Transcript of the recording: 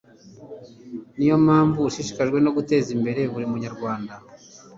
ni yo mpamvu ushishikajwe no guteza imbere buri munyarwanda